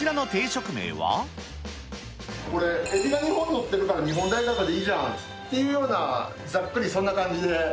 これ、エビが２本載ってるから、日本大学でいいじゃんっていうような、ざっくりそんな感じで。